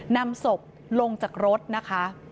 นำศพลงจากรถนะคะ